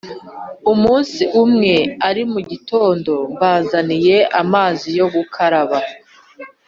umunsi umwe ari mu gitondo bazaniye amazi yo gukaraba